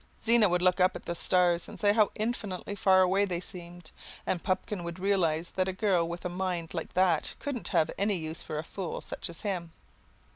Zena would look at the stars and say how infinitely far away they seemed, and Pupkin would realize that a girl with a mind like that couldn't have any use for a fool such as him.